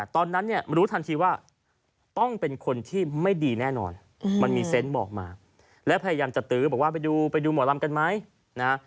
ตอนนั้นเนี่ยรู้ทันทีว่าต้องเป็นคนที่ไม่ดีแน่นอนมันมีเซนต์บอกมาและพยายามจะตื้อบอกว่าไปดูไปดูหมอลำกันไหมนะ